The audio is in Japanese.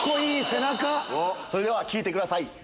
それでは聴いてください